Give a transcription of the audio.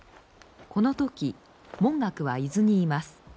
この時文覚は伊豆にいます。